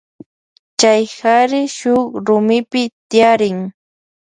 Chay kari shuk rumipi tiyarin.